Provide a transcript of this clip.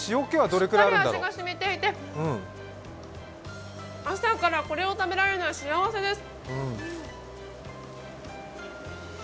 しっかり味が染みていて、朝からこれを食べられるのは幸せです。